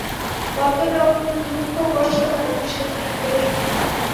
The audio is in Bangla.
কত রকম দুঃখ-কষ্ট মানুষের থাকে।